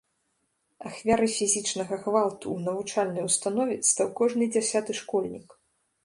Ахвярай фізічнага гвалту ў навучальнай установе стаў кожны дзясяты школьнік.